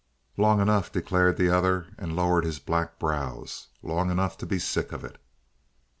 "Long enough," declared the other, and lowered his black brows. "Long enough to be sick of it."